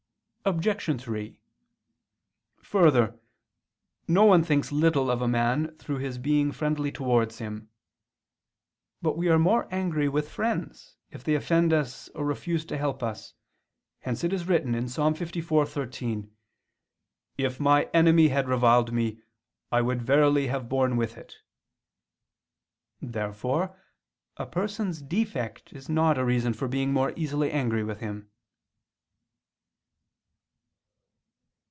Obj. 3: Further, no one thinks little of a man through his being friendly towards him. But we are more angry with friends, if they offend us or refuse to help us; hence it is written (Ps. 54:13): "If my enemy had reviled me I would verily have borne with it." Therefore a person's defect is not a reason for being more easily angry with him.